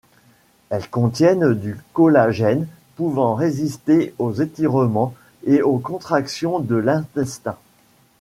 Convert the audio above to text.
Elles contiennent du collagène pouvant résister aux étirements et aux contractions de l'intestin.